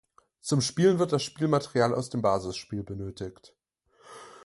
Zum Spielen wird das Spielmaterial aus dem Basisspiel benötigt.